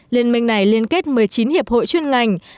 liên minh này liên kết một mươi chín hiệp hội chuyên ngành